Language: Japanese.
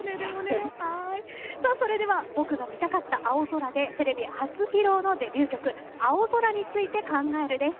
それでは僕が見たかった青空でテレビ初披露のデビュー曲「青空について考える」です。